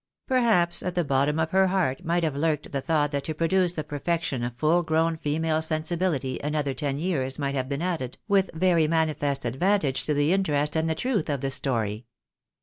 Perhaps at the bottom of her heart might have lurked the thought that to produce the perfection of full grown female sensi bility another ten years might have been added, with very manifest advantage to the interest and the truth of the story.